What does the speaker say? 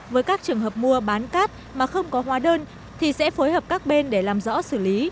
với các trường hợp mua bán cát mà không có hóa đơn thì sẽ phối hợp các bên để làm rõ xử lý